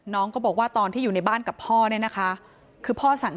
น้องก็บอกว่าตอนที่อยู่ในบ้านกับพ่อเนี่ยนะคะคือพ่อสั่ง